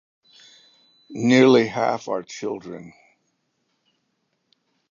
Nearly half are children.